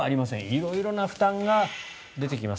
色々な負担が出てきます。